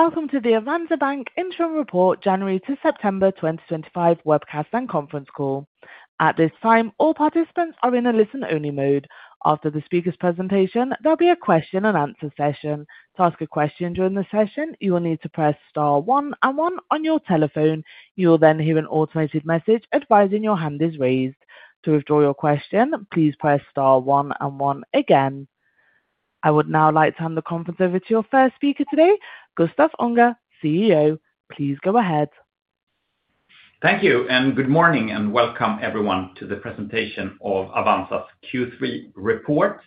Welcome to the Avanza Bank interim report January to September 2025 webcast and conference call. At this time, all participants are in a listen-only mode. After the speaker's presentation, there'll be a question and answer session. To ask a question during the session, you will need to press star one and one on your telephone. You will then hear an automated message advising your hand is raised. To withdraw your question, please press star one and one again. I would now like to hand the conference over to our first speaker today, Gustaf Unger, CEO. Please go ahead. Thank you, and good morning, and welcome everyone to the presentation of Avanza's Q3 report.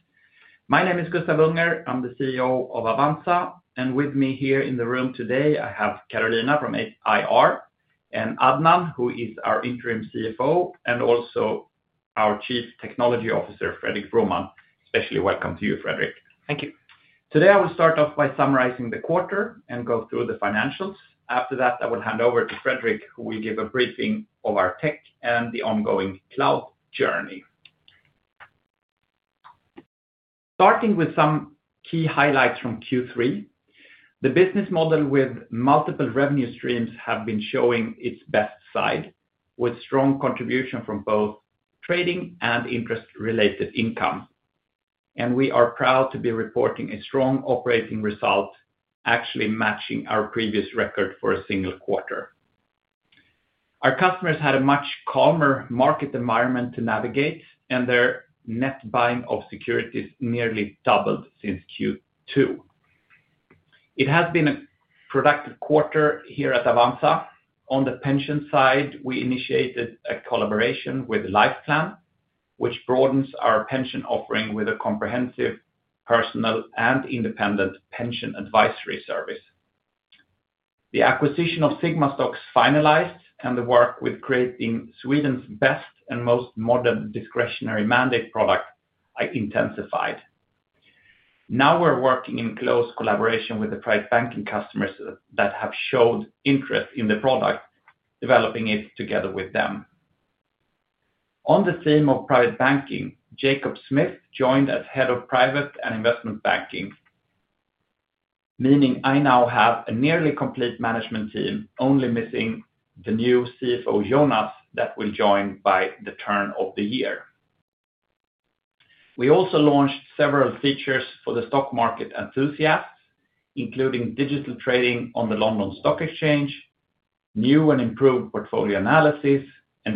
My name is Gustaf Unger. I'm the CEO of Avanza, and with me here in the room today, I have Karolina from IR and Adnan, who is our Interim CFO, and also our Chief Technology Officer, Fredrik Broman. Especially welcome to you, Fredrik. Thank you. Today, I will start off by summarizing the quarter and go through the financials. After that, I will hand over to Fredrik, who will give a briefing of our tech and the ongoing cloud journey. Starting with some key highlights from Q3, the business model with multiple revenue streams has been showing its best side, with strong contribution from both trading and interest-related income. We are proud to be reporting a strong operating result, actually matching our previous record for a single quarter. Our customers had a much calmer market environment to navigate, and their net buying of securities nearly doubled since Q2. It has been a productive quarter here at Avanza. On the pension side, we initiated a collaboration with LifePlan, which broadens our pension offering with a comprehensive personal and independent pension advisory service. The acquisition of Sigma Stocks finalized, and the work with creating Sweden's best and most modern discretionary mandate product intensified. Now we're working in close collaboration with the Private Banking customers that have shown interest in the product, developing it together with them. On the theme of Private Banking, Jacob Smith joined as Head of Private and Investment Banking, meaning I now have a nearly complete management team, only missing the new CFO, Jonas, that will join by the turn of the year. We also launched several features for the stock market enthusiasts, including digital trading on the London Stock Exchange, new and improved portfolio analysis,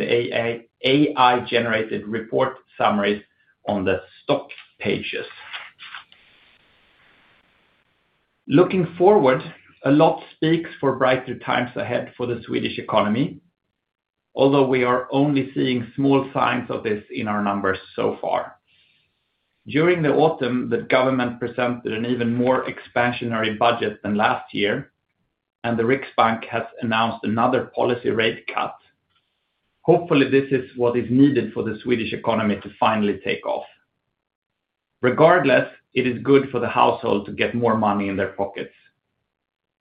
and AI-generated report summaries on the stock pages. Looking forward, a lot speaks for brighter times ahead for the Swedish economy, although we are only seeing small signs of this in our numbers so far. During the autumn, the government presented an even more expansionary budget than last year, and the Riksbank has announced another policy rate cut. Hopefully, this is what is needed for the Swedish economy to finally take off. Regardless, it is good for the household to get more money in their pockets.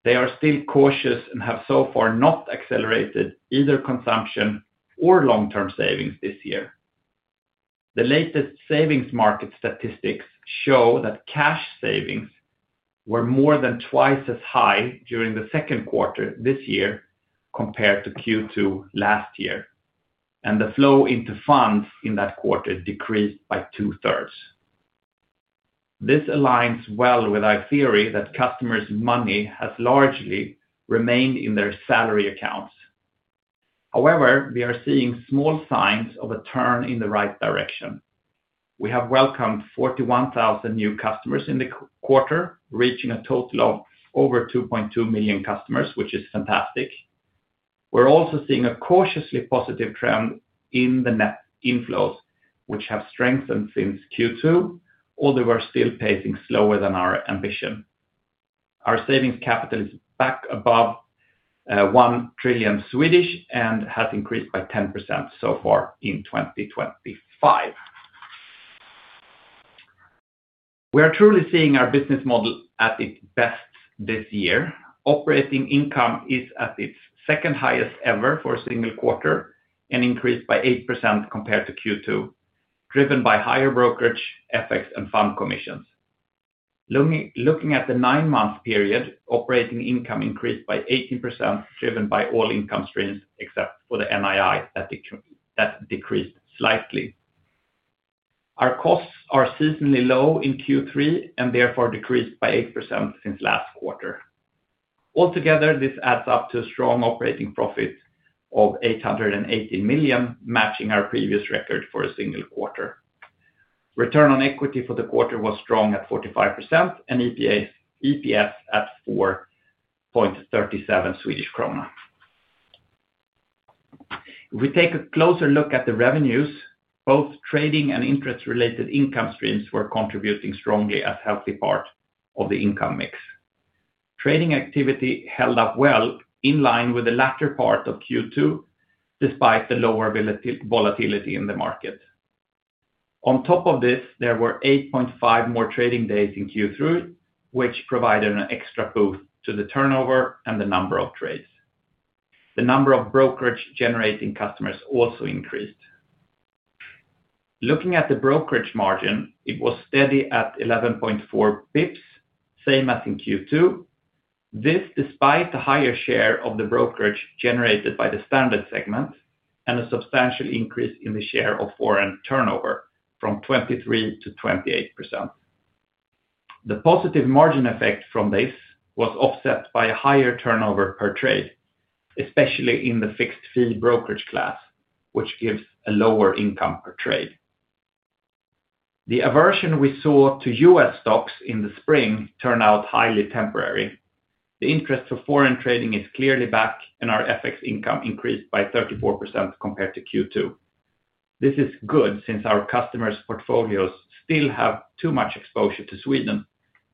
They are still cautious and have so far not accelerated either consumption or long-term savings this year. The latest savings market statistics show that cash savings were more than twice as high during the second quarter this year compared to Q2 last year, and the flow into funds in that quarter decreased by 2/3. This aligns well with our theory that customers' money has largely remained in their salary accounts. However, we are seeing small signs of a turn in the right direction. We have welcomed 41,000 new customers in the quarter, reaching a total of over 2.2 million customers, which is fantastic. We're also seeing a cautiously positive trend in the net inflows, which have strengthened since Q2, although we're still pacing slower than our ambition. Our savings capital is back above 1 trillion and has increased by 10% so far in 2023. We are truly seeing our business model at its best this year. Operating income is at its second highest ever for a single quarter and increased by 8% compared to Q2, driven by higher brokerage, FX, and fund commissions. Looking at the nine-month period, operating income increased by 18%, driven by all income streams except for the NII that decreased slightly. Our costs are seasonally low in Q3 and therefore decreased by 8% since last quarter. Altogether, this adds up to a strong operating profit of 818 million, matching our previous record for a single quarter. Return on equity for the quarter was strong at 45% and EPS at 4.37 Swedish krona. If we take a closer look at the revenues, both trading and interest-related income streams were contributing strongly as a healthy part of the income mix. Trading activity held up well, in line with the latter part of Q2, despite the lower volatility in the market. On top of this, there were 8.5 more trading days in Q3, which provided an extra boost to the turnover and the number of trades. The number of brokerage-generating customers also increased. Looking at the brokerage margin, it was steady at 11.4 pips, same as in Q2. This despite the higher share of the brokerage generated by the standard segment and a substantial increase in the share of foreign turnover from 23%-28%. The positive margin effect from this was offset by a higher turnover per trade, especially in the fixed-fee brokerage class, which gives a lower income per trade. The aversion we saw to U.S. stocks in the spring turned out highly temporary. The interest for foreign trading is clearly back, and our FX income increased by 34% compared to Q2. This is good since our customers' portfolios still have too much exposure to Sweden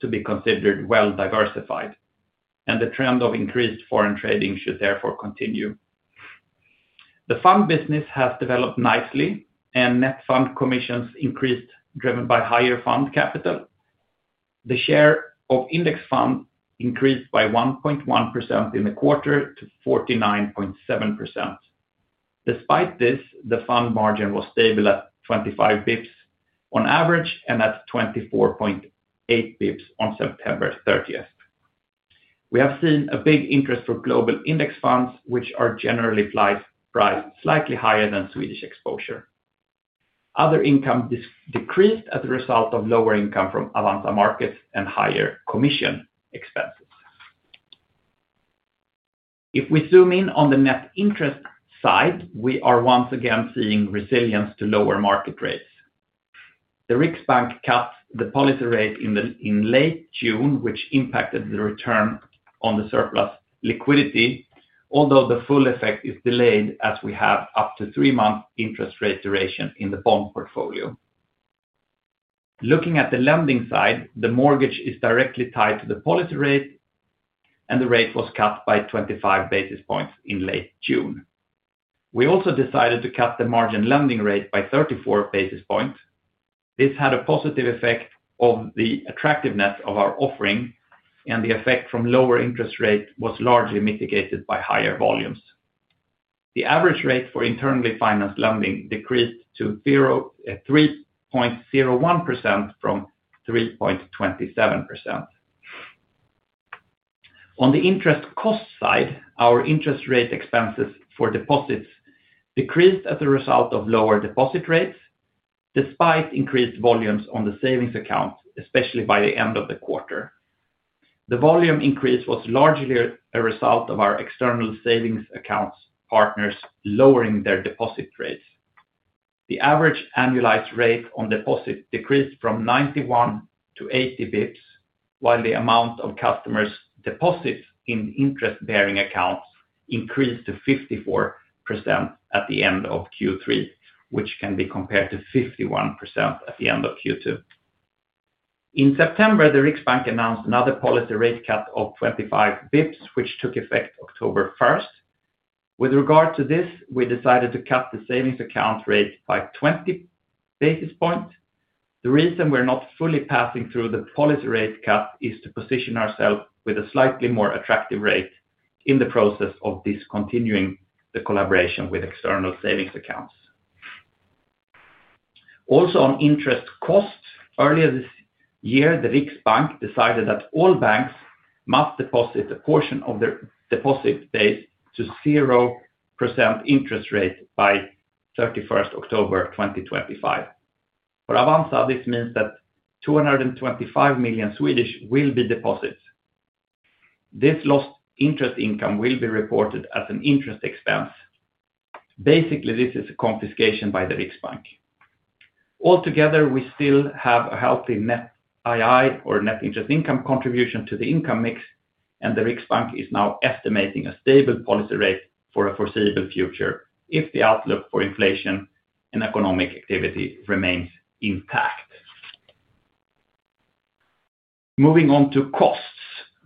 to be considered well-diversified, and the trend of increased foreign trading should therefore continue. The fund business has developed nicely, and net fund commissions increased, driven by higher fund capital. The share of index funds increased by 1.1% in the quarter to 49.7%. Despite this, the fund margin was stable at 25 bps on average and at 24.8 bps on September 30. We have seen a big interest for global index funds, which are generally priced slightly higher than Swedish exposure. Other income decreased as a result of lower income from Avanza markets and higher commission expenses. If we zoom in on the net interest side, we are once again seeing resilience to lower market rates. The Riksbank cut the policy rate in late June, which impacted the return on the surplus liquidity, although the full effect is delayed as we have up to three-month interest rate duration in the bond portfolio. Looking at the lending side, the mortgage is directly tied to the policy rate, and the rate was cut by 25 bps in late June. We also decided to cut the margin lending rate by 34 bps. This had a positive effect on the attractiveness of our offering, and the effect from lower interest rates was largely mitigated by higher volumes. The average rate for internally financed lending decreased to 3.01% from 3.27%. On the interest cost side, our interest rate expenses for deposits decreased as a result of lower deposit rates, despite increased volumes on the savings account, especially by the end of the quarter. The volume increase was largely a result of our external savings accounts partners lowering their deposit rates. The average annualized rate on deposits decreased from 91 bps to 80 bps, while the amount of customers' deposits in interest-bearing accounts increased to 54% at the end of Q3, which can be compared to 51% at the end of Q2. In September, the Riksbank announced another policy rate cut of 25 bps, which took effect October 1. With regard to this, we decided to cut the savings account rate by 20 basis points. The reason we're not fully passing through the policy rate cut is to position ourselves with a slightly more attractive rate in the process of discontinuing the collaboration with external savings accounts. Also, on interest costs, earlier this year, the Riksbank decided that all banks must deposit a portion of their deposit days to 0% interest rate by October 31, 2025. For Avanza, this means that 225 million will be deposits. This lost interest income will be reported as an interest expense. Basically, this is a confiscation by the Riksbank. Altogether, we still have a healthy net IR or net interest income contribution to the income mix, and the Riksbank is now estimating a stable policy rate for a foreseeable future if the outlook for inflation and economic activity remains intact. Moving on to costs,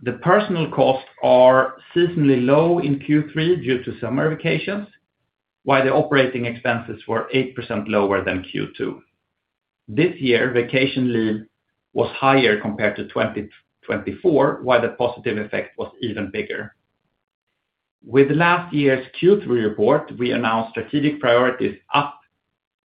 the personnel costs are seasonally low in Q3 due to summer vacations, while the operating expenses were 8% lower than Q2. This year, vacation leave was higher compared to 2023, while the positive effect was even bigger. With last year's Q3 report, we announced strategic priorities up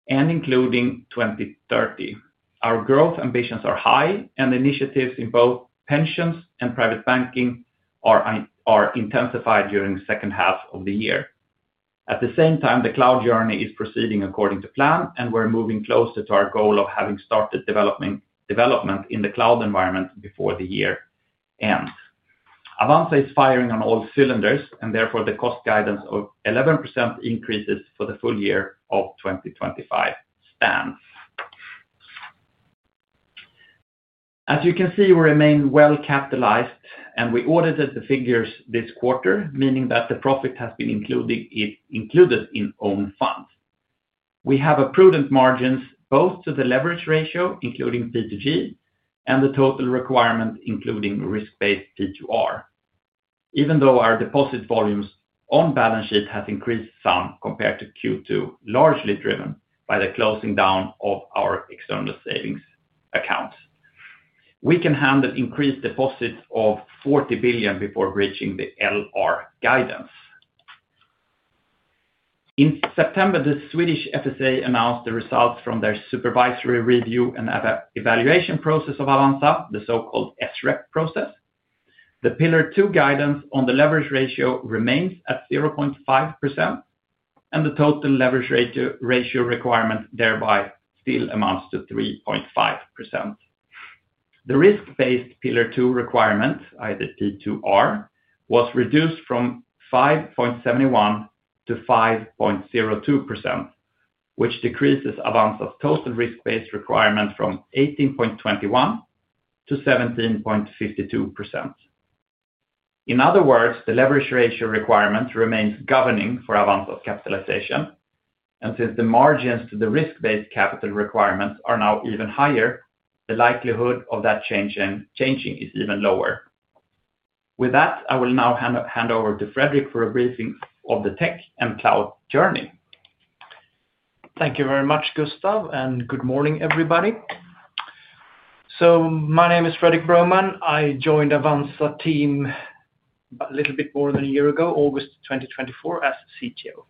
and including 2030. Our growth ambitions are high, and initiatives in both pensions and Private Banking are intensified during the second half of the year. At the same time, the cloud journey is proceeding according to plan, and we're moving closer to our goal of having started development in the cloud environment before the year ends. Avanza is firing on all cylinders, and therefore, the cost guidance of 11% increases for the full year of 2025 stands. As you can see, we remain well-capitalized, and we audited the figures this quarter, meaning that the profit has been included in own funds. We have a prudent margin both to the leverage ratio, including P2G, and the total requirement, including risk-based P2R. Even though our deposit volumes on balance sheet have increased some compared to Q2, largely driven by the closing down of our external savings accounts, we can handle increased deposits of 40 billion before breaching the LR guidance. In September, the Swedish FSA announced the results from their Supervisory Review and Evaluation Process of Avanza, the so-called SREP process. The Pillar 2 guidance on the leverage ratio remains at 0.5%, and the total leverage ratio requirement thereby still amounts to 3.5%. The risk-based Pillar 2 requirement, either P2R, was reduced from 5.71% to 5.02%, which decreases Avanza's total risk-based requirement from 18.21% to 17.52%. In other words, the leverage ratio requirement remains governing for Avanza's capitalization, and since the margins to the risk-based capital requirements are now even higher, the likelihood of that changing is even lower. With that, I will now hand over to Fredrik for a briefing of the tech and cloud journey. Thank you very much, Gustaf, and good morning, everybody. My name is Fredrik Broman. I joined the Avanza team a little bit more than a year ago, August 2024, as CTO.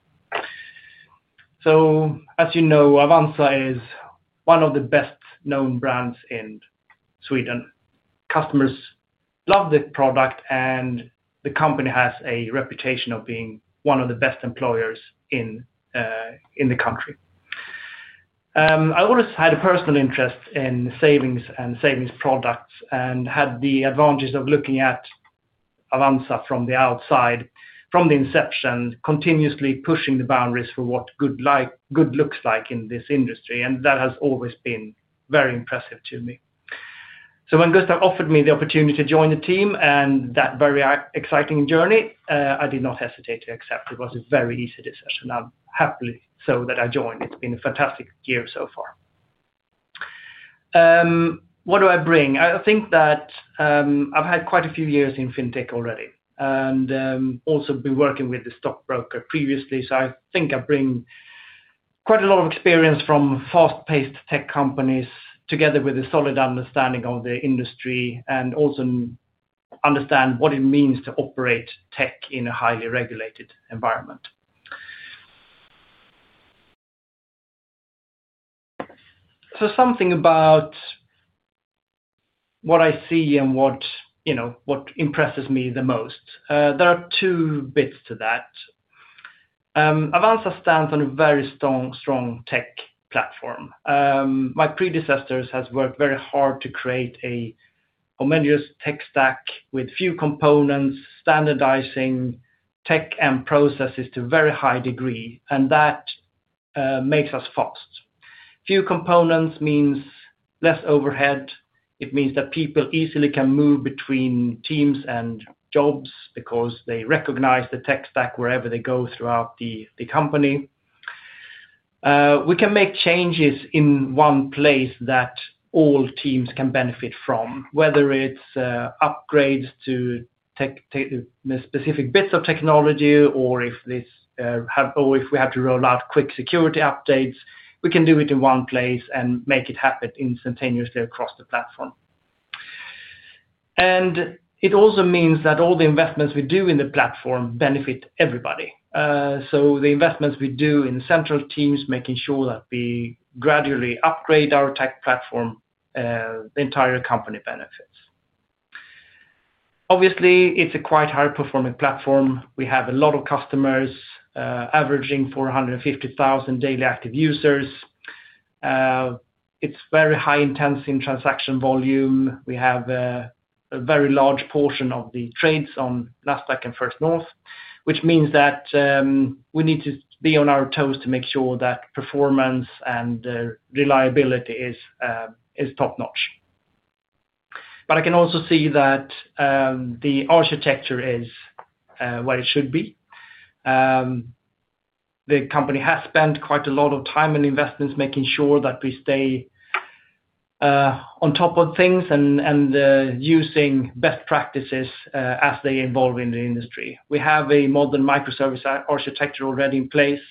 As you know, Avanza is one of the best-known brands in Sweden. Customers love the product, and the company has a reputation of being one of the best employers in the country. I always had a personal interest in savings and savings products and had the advantage of looking at Avanza from the outside, from the inception, continuously pushing the boundaries for what good looks like in this industry, and that has always been very impressive to me. When Gustaf offered me the opportunity to join the team and that very exciting journey, I did not hesitate to accept it. It was a very easy decision, and I'm happy so that I joined. It's been a fantastic year so far. What do I bring? I think that I've had quite a few years in fintech already and also been working with the stock broker previously, so I think I bring quite a lot of experience from fast-paced tech companies, together with a solid understanding of the industry and also understanding what it means to operate tech in a highly regulated environment. Something about what I see and what impresses me the most. There are two bits to that. Avanza stands on a very strong tech platform. My predecessor has worked very hard to create a homogeneous tech stack with few components, standardizing tech and processes to a very high degree, and that makes us fast. Few components mean less overhead. It means that people easily can move between teams and jobs because they recognize the tech stack wherever they go throughout the company. We can make changes in one place that all teams can benefit from, whether it's upgrades to specific bits of technology or if we have to roll out quick security updates. We can do it in one place and make it happen instantaneously across the platform. It also means that all the investments we do in the platform benefit everybody. The investments we do in central teams, making sure that we gradually upgrade our tech platform, the entire company benefits. Obviously, it's a quite high-performing platform. We have a lot of customers, averaging 450,000 daily active users. It's very high-intensity in transaction volume. We have a very large portion of the trades on Nasdaq and First North, which means that we need to be on our toes to make sure that performance and reliability are top-notch. I can also see that the architecture is where it should be. The company has spent quite a lot of time and investments making sure that we stay on top of things and using best practices as they evolve in the industry. We have a modern microservice architecture already in place.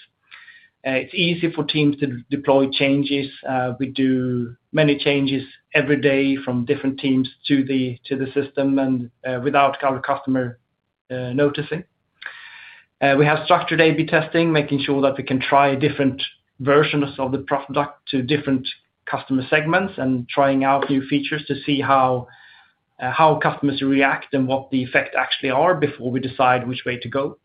It's easy for teams to deploy changes. We do many changes every day from different teams to the system without our customer noticing. We have structured A/B testing, making sure that we can try different versions of the product to different customer segments and trying out new features to see how customers react and what the effects actually are before we decide which way to go.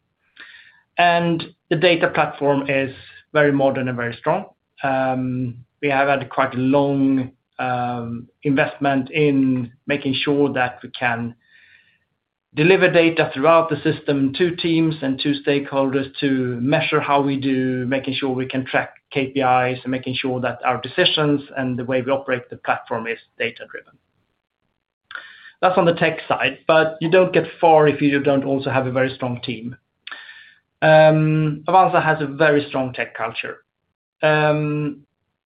The data platform is very modern and very strong. We have had quite a long investment in making sure that we can deliver data throughout the system to teams and to stakeholders to measure how we do, making sure we can track KPIs and making sure that our decisions and the way we operate the platform are data-driven. That's on the tech side. You don't get far if you don't also have a very strong team. Avanza has a very strong tech culture.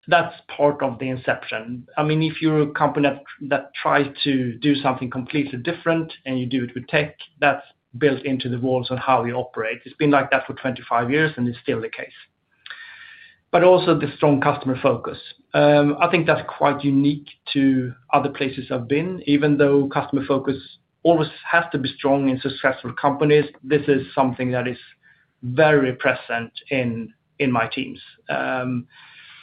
That's part of the inception. I mean, if you're a company that tries to do something completely different and you do it with tech, that's built into the walls on how we operate. It's been like that for 25 years, and it's still the case. Also, the strong customer focus. I think that's quite unique to other places I've been. Even though customer focus always has to be strong in successful companies, this is something that is very present in my teams.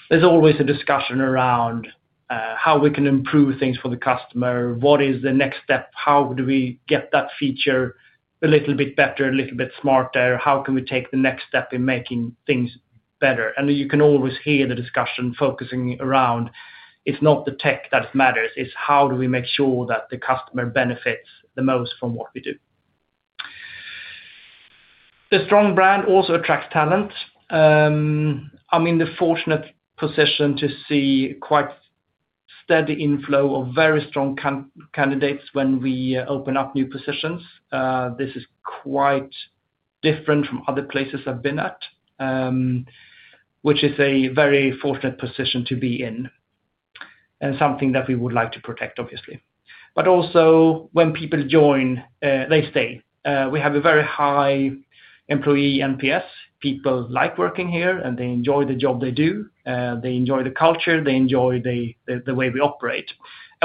There's always a discussion around how we can improve things for the customer. What is the next step? How do we get that feature a little bit better, a little bit smarter? How can we take the next step in making things better? You can always hear the discussion focusing around it's not the tech that matters. It's how do we make sure that the customer benefits the most from what we do. The strong brand also attracts talent. I'm in the fortunate position to see quite a steady inflow of very strong candidates when we open up new positions. This is quite different from other places I've been at, which is a very fortunate position to be in and something that we would like to protect, obviously. Also, when people join, they stay. We have a very high employee NPS. People like working here, and they enjoy the job they do. They enjoy the culture. They enjoy the way we operate.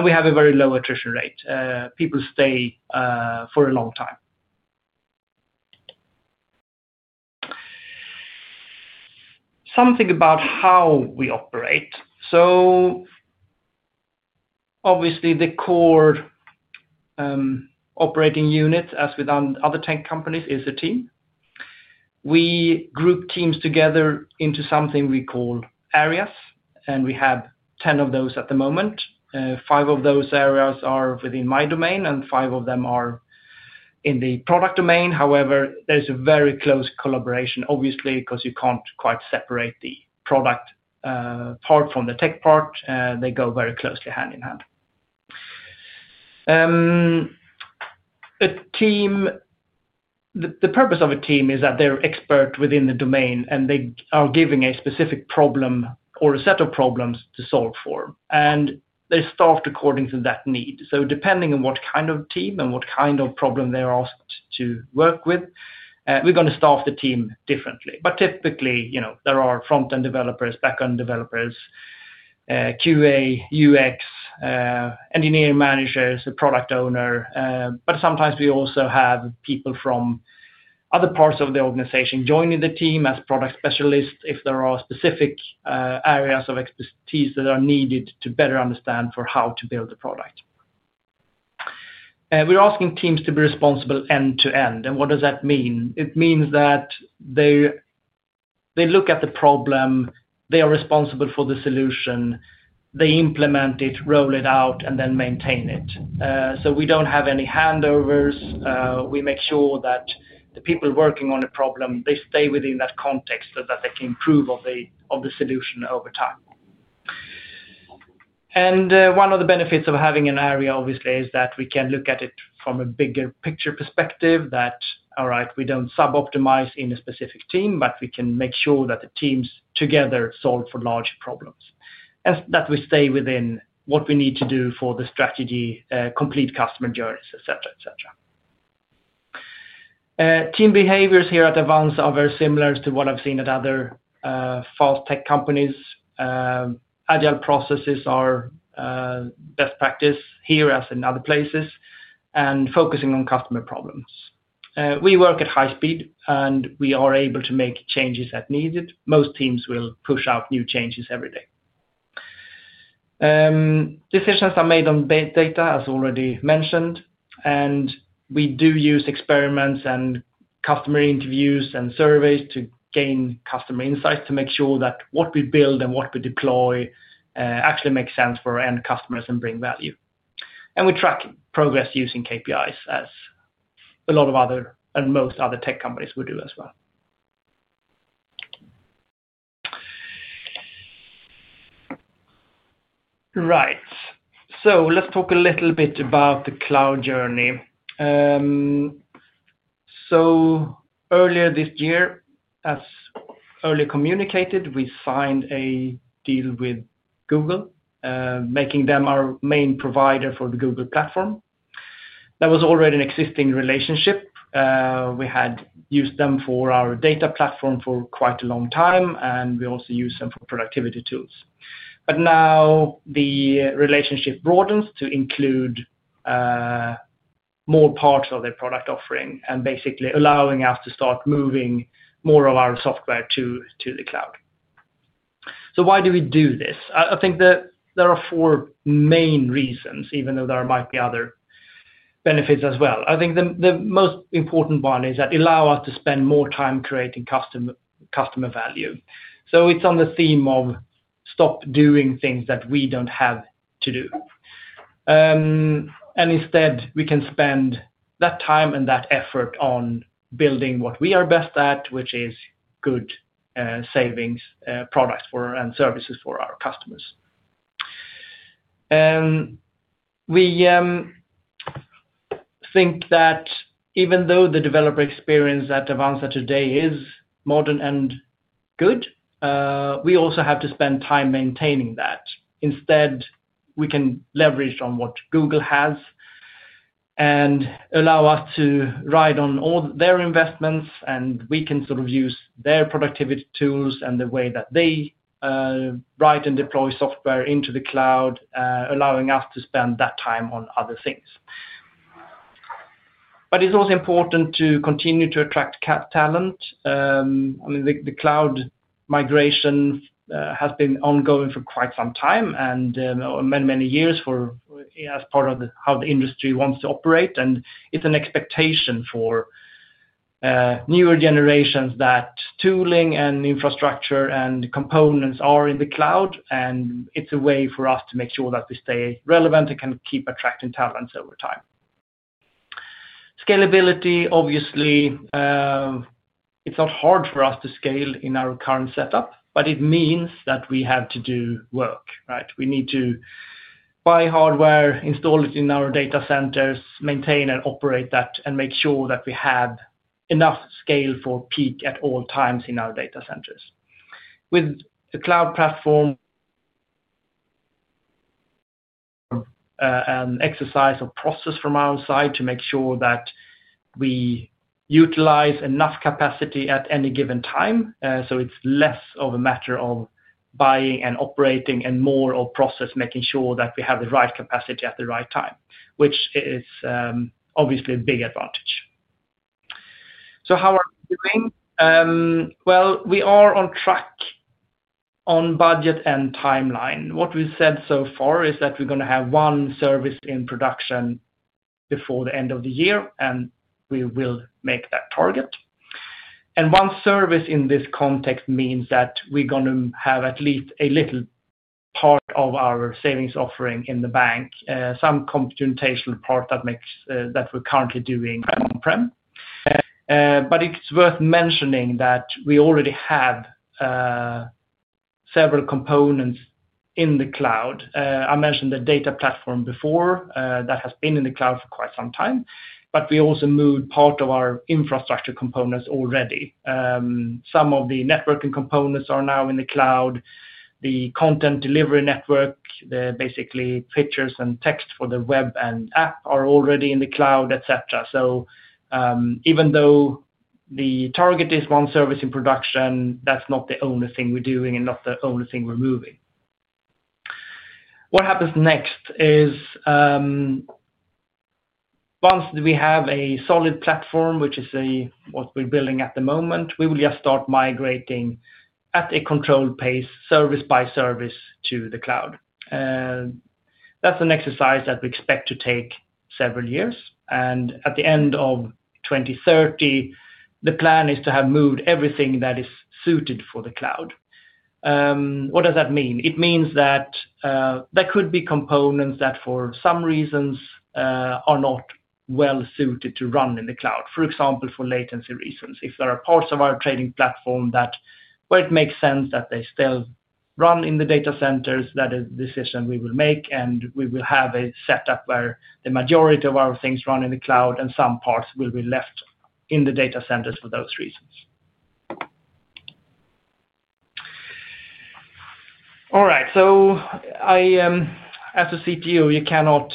We have a very low attrition rate. People stay for a long time. Something about how we operate. Obviously, the core operating unit, as with other tech companies, is a team. We group teams together into something we call areas, and we have 10 of those at the moment. Five of those areas are within my domain, and five of them are in the product domain. However, there's a very close collaboration, obviously, because you can't quite separate the product part from the tech part. They go very closely hand in hand. The purpose of a team is that they're experts within the domain, and they are given a specific problem or a set of problems to solve for, and they start according to that need. Depending on what kind of team and what kind of problem they're asked to work with, we are going to start the team differently. Typically, there are front-end developers, back-end developers, QA, UX, Engineering Managers, a Product Owner. Sometimes we also have people from other parts of the organization joining the team as product specialists if there are specific areas of expertise that are needed to better understand how to build the product. We are asking teams to be responsible end to end. What does that mean? It means that they look at the problem, they are responsible for the solution, they implement it, roll it out, and then maintain it. We don't have any handovers. We make sure that the people working on a problem, they stay within that context so that they can improve the solution over time. One of the benefits of having an area, obviously, is that we can look at it from a bigger picture perspective, that we don't suboptimize in a specific team, but we can make sure that the teams together solve for larger problems and that we stay within what we need to do for the strategy, complete customer journeys, etc., etc. Team behaviors here at Avanza Bank are very similar to what I've seen at other fast tech companies. Agile processes are best practice here as in other places and focusing on customer problems. We work at high speed, and we are able to make changes as needed. Most teams will push out new changes every day. Decisions are made on data, as already mentioned, and we do use experiments and customer interviews and surveys to gain customer insights to make sure that what we build and what we deploy actually makes sense for our end customers and brings value. We track progress using KPIs, as a lot of other and most other tech companies would do as well. Right. Let's talk a little bit about the cloud journey. Earlier this year, as earlier communicated, we signed a deal with Google, making them our main provider for the Google platform. That was already an existing relationship. We had used them for our data platform for quite a long time, and we also use them for productivity tools. Now the relationship broadens to include more parts of their product offering and basically allowing us to start moving more of our software to the cloud. Why do we do this? I think that there are four main reasons, even though there might be other benefits as well. I think the most important one is that it allows us to spend more time creating customer value. It's on the theme of stop doing things that we don't have to do. Instead, we can spend that time and that effort on building what we are best at, which is good savings products and services for our customers. We think that even though the developer experience at Avanza today is modern and good, we also have to spend time maintaining that. Instead, we can leverage on what Google has and allow us to ride on all their investments, and we can sort of use their productivity tools and the way that they write and deploy software into the cloud, allowing us to spend that time on other things. It's also important to continue to attract talent. The cloud migration has been ongoing for quite some time and many, many years as part of how the industry wants to operate. It's an expectation for newer generations that tooling and infrastructure and components are in the cloud, and it's a way for us to make sure that we stay relevant and can keep attracting talents over time. Scalability, obviously, it's not hard for us to scale in our current setup, but it means that we have to do work. We need to buy hardware, install it in our data centers, maintain and operate that, and make sure that we have enough scale for peak at all times in our data centers. With a cloud platform, an exercise or process from our side to make sure that we utilize enough capacity at any given time, it's less of a matter of buying and operating and more of a process making sure that we have the right capacity at the right time, which is obviously a big advantage. How are we doing? We are on track on budget and timeline. What we've said so far is that we're going to have one service in production before the end of the year, and we will make that target. One service in this context means that we're going to have at least a little part of our savings offering in the bank, some computational part that we're currently doing on-prem. It's worth mentioning that we already have several components in the cloud. I mentioned the data platform before that has been in the cloud for quite some time, but we also moved part of our infrastructure components already. Some of the networking components are now in the cloud. The content delivery network, basically pictures and text for the web and app, are already in the cloud, etc. Even though the target is one service in production, that's not the only thing we're doing and not the only thing we're moving. What happens next is once we have a solid platform, which is what we're building at the moment, we will just start migrating at a controlled pace, service by service, to the cloud. That's an exercise that we expect to take several years. At the end of 2030, the plan is to have moved everything that is suited for the cloud. What does that mean? It means that there could be components that for some reasons are not well suited to run in the cloud, for example, for latency reasons. If there are parts of our trading platform where it makes sense that they still run in the data centers, that is a decision we will make, and we will have a setup where the majority of our things run in the cloud and some parts will be left in the data centers for those reasons. As a CTO, you cannot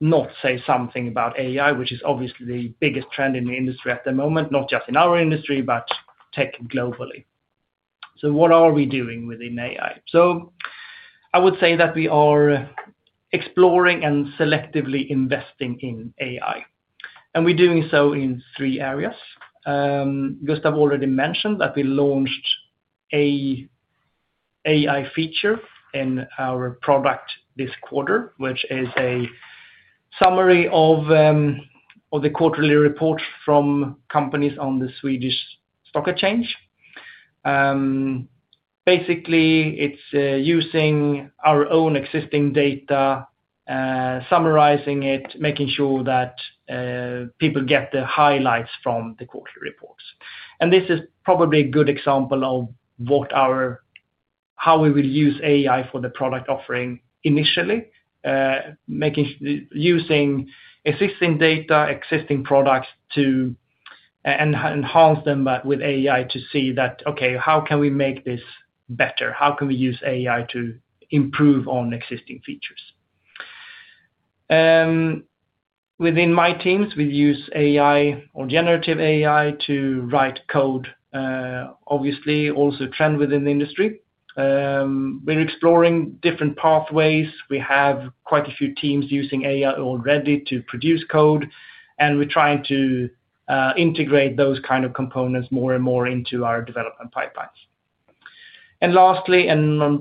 not say something about AI, which is obviously the biggest trend in the industry at the moment, not just in our industry, but tech globally. What are we doing within AI? I would say that we are exploring and selectively investing in AI, and we're doing so in three areas. Gustaf Unger already mentioned that we launched an AI feature in our product this quarter, which is a summary of the quarterly report from companies on the Swedish Stock Exchange. Basically, it's using our own existing data, summarizing it, making sure that people get the highlights from the quarterly reports. This is probably a good example of how we will use AI for the product offering initially, using existing data, existing products to enhance them, but with AI to see that, okay, how can we make this better? How can we use AI to improve on existing features? Within my teams, we use AI or generative AI to write code, obviously also a trend within the industry. We're exploring different pathways. We have quite a few teams using AI already to produce code, and we're trying to integrate those kinds of components more and more into our development pipelines. Lastly, and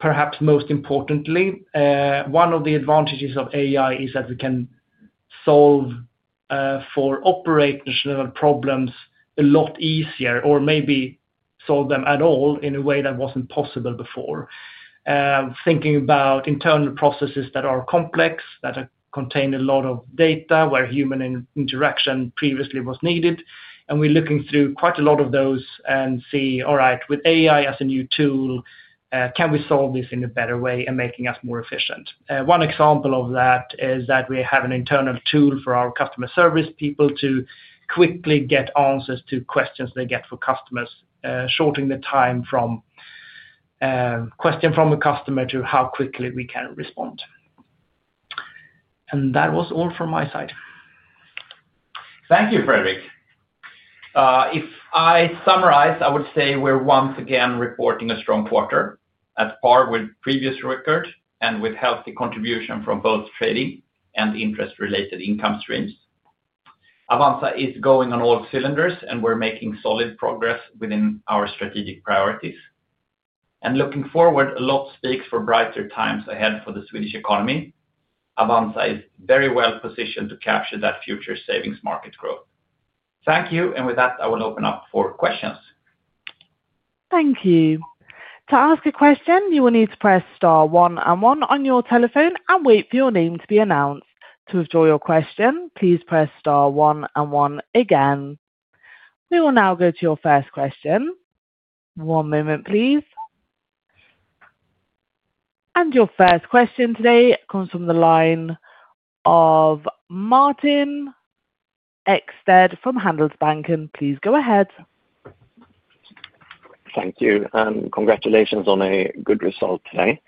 perhaps most importantly, one of the advantages of AI is that we can solve for operational problems a lot easier or maybe solve them at all in a way that wasn't possible before. Thinking about internal processes that are complex, that contain a lot of data, where human interaction previously was needed, we're looking through quite a lot of those and see, all right, with AI as a new tool, can we solve this in a better way and make us more efficient? One example of that is that we have an internal tool for our customer service people to quickly get answers to questions they get from customers, shortening the time from a question from a customer to how quickly we can respond. That was all from my side. Thank you, Fredrik. If I summarize, I would say we're once again reporting a strong quarter at par with previous records and with healthy contribution from both trading and interest-related income streams. Avanza is going on all cylinders, and we're making solid progress within our strategic priorities. Looking forward, a lot speaks for brighter times ahead for the Swedish economy. Avanza is very well positioned to capture that future savings market growth. Thank you, and with that, I will open up for questions. Thank you. To ask a question, you will need to press star one and one on your telephone and wait for your name to be announced. To withdraw your question, please press star one and one again. We will now go to your first question. One moment, please. Your first question today comes from the line of Martin Ekstedt from Handelsbanken. Please go ahead. Thank you. Congratulations on a good result today.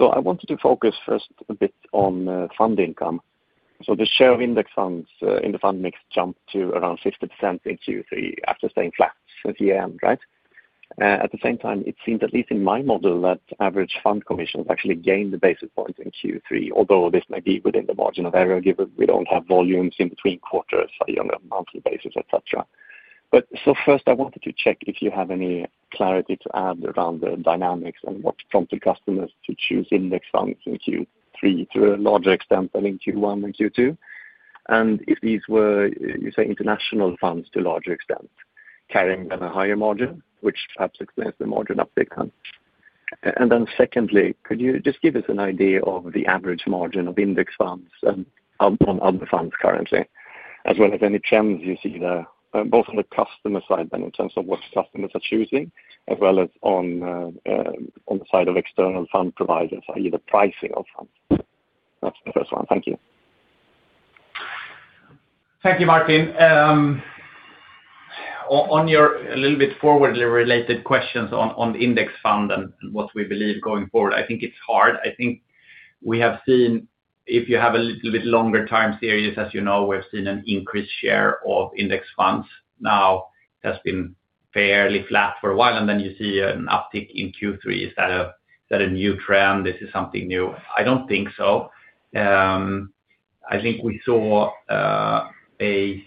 I wanted to focus first a bit on fund income. The share of index funds in the fund mix jumped to around 50% in Q3 after staying flat since the end, right? At the same time, it seemed at least in my model that average fund commissions actually gained the basis points in Q3, although this may be within the margin of error given we don't have volumes in between quarters on a monthly basis, etc. First, I wanted to check if you have any clarity to add around the dynamics and what prompted customers to choose index funds in Q3 to a larger extent than in Q1 and Q2. If these were, you say, international funds to a larger extent, carrying them a higher margin, which perhaps explains the margin uptake. Secondly, could you just give us an idea of the average margin of index funds and how on other funds currently, as well as any trends you see there, both on the customer side in terms of what customers are choosing, as well as on the side of external fund providers, i.e. the pricing of funds? That's the first one. Thank you. Thank you, Martin. On your a little bit forward-related questions on index fund and what we believe going forward, I think it's hard. I think we have seen, if you have a little bit longer time series, as you know, we have seen an increased share of index funds. Now, it has been fairly flat for a while, and then you see an uptick in Q3. Is that a new trend? Is this something new? I don't think so. I think we saw an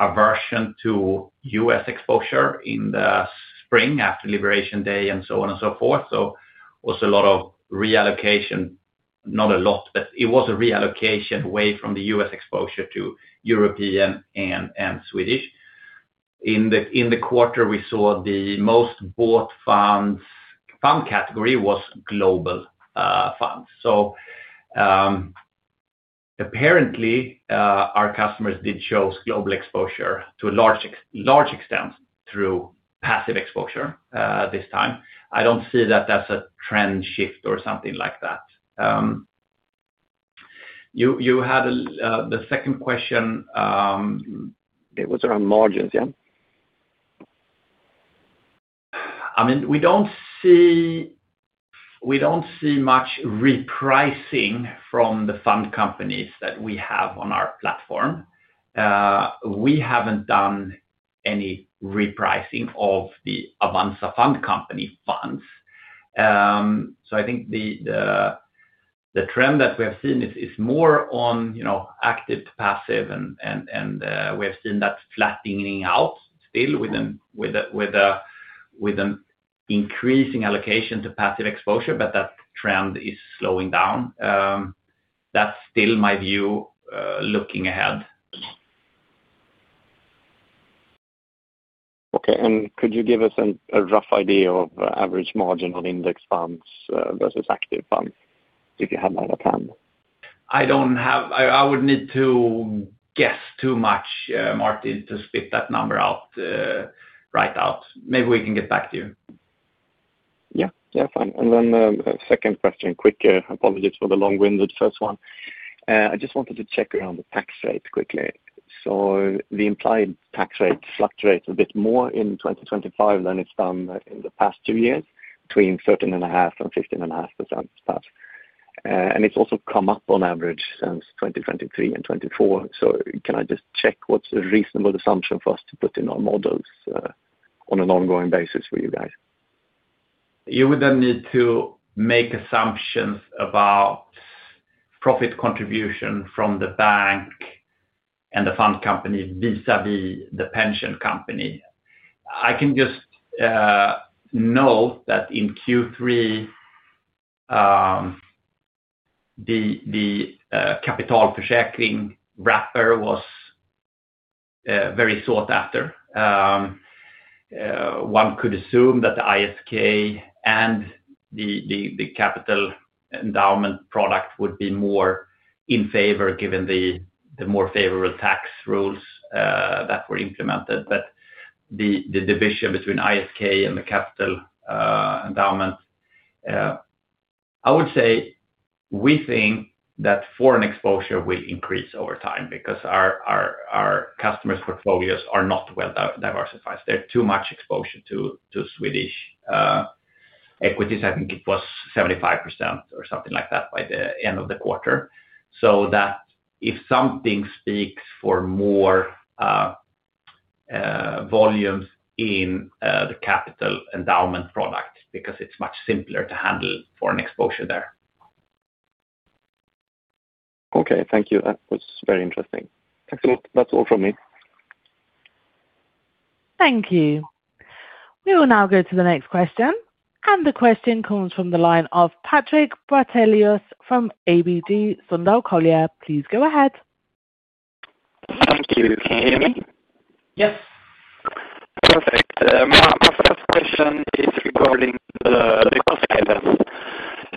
aversion to U.S. exposure in the spring after Liberation Day and so on and so forth. Also, a lot of reallocation, not a lot, but it was a reallocation away from the U.S. exposure to European and Swedish. In the quarter, we saw the most bought funds fund category was global funds. Apparently, our customers did show global exposure to a large extent through passive exposure this time. I don't see that as a trend shift or something like that. You had the second question. It was around margins, yeah. I mean, we don't see much repricing from the fund companies that we have on our platform. We haven't done any repricing of the Avanza Fund Company funds. I think the trend that we have seen is more on active to passive, and we have seen that flattening out, still with an increasing allocation to passive exposure, but that trend is slowing down. That's still my view looking ahead. Okay. Could you give us a rough idea of average margin on index funds versus active funds if you had that at hand? I don't have, I would need to guess too much, Martin, to spit that number out right out. Maybe we can get back to you. Yeah, fine. The second question, quick apologies for the long-winded first one. I just wanted to check around the tax rate quickly. The implied tax rate fluctuates a bit more in 2025 than it's done in the past two years, between 13.5% and 15.5%. It's also come up on average since 2023 and 2024. Can I just check what's a reasonable assumption for us to put in our models on an ongoing basis for you guys? You would then need to make assumptions about profit contribution from the bank and the fund company vis-à-vis the pension company. I can just note that in Q3, the capital for securing wrapper was very sought after. One could assume that the ISK and the capital endowment product would be more in favor given the more favorable tax rules that were implemented. The division between ISK and the capital endowment, I would say we think that foreign exposure will increase over time because our customers' portfolios are not well diversified. There's too much exposure to Swedish equities. I think it was 75% or something like that by the end of the quarter. If something speaks for more volumes in the capital endowment product, it's because it's much simpler to handle foreign exposure there. Okay. Thank you. That was very interesting. Thanks a lot. That's all from me. Thank you. We will now go to the next question. The question comes from the line of Patrik Brattelius from ABG Sundal Collier. Please go ahead. Thank you. Can you hear me? Yes. Perfect. My first question is regarding the cost guidance.